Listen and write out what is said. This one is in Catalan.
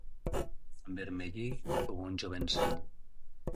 Envermellir com un jovencell.